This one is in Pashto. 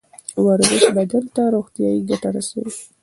ورزش بدن ته روغتیایی ګټه رسوي